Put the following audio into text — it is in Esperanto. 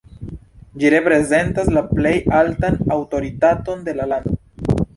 Ĝi reprezentas la plej altan aŭtoritaton de la lando.